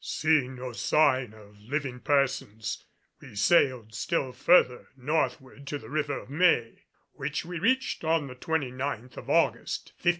Seeing no sign of living persons we sailed still further northward to the River of May, which we reached on the 29th of August, 1565.